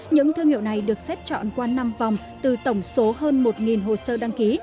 những thương hiệu này được xét chọn qua năm vòng từ tổng số hơn một hồ sơ đăng ký